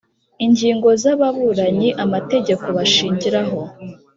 Ingingo z ababuranyi amategeko bashingiraho